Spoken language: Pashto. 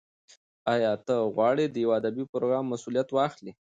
ایا ته غواړې د یو ادبي پروګرام مسولیت واخلې؟